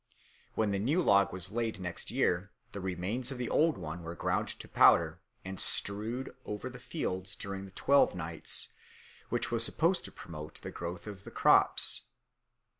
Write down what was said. When the new log was laid next year, the remains of the old one were ground to powder and strewed over the fields during the Twelve Nights, which was supposed to promote the growth of the crops.